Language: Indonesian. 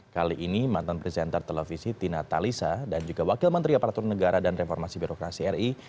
kali ini mantan presenter televisi tina talisa dan juga wakil menteri aparatur negara dan reformasi birokrasi ri